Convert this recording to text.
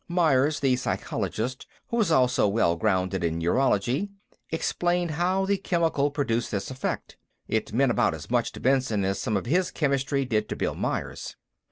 Myers, the psychologist, who was also well grounded in neurology, explained how the chemical produced this effect; it meant about as much to Benson as some of his chemistry did to Bill Myers.